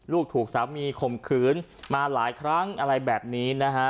ลูกถูกสามีข่มขืนมาหลายครั้งอะไรแบบนี้นะฮะ